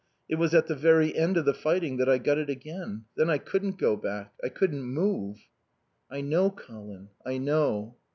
It was at the very end of the fighting that I got it again. Then I couldn't go back. I couldn't move." "I know, Colin, I know."